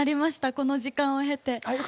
この時間を経て。